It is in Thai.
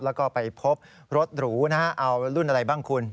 แล้วก็ไปพบรถหรูนะฮะเอารุ่นอะไรบ้างคุณ